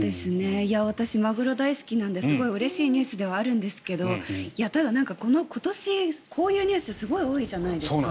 私、マグロ大好きなんですごいうれしいニュースではあるんですけどただ、今年こういうニュースすごい多いじゃないですか。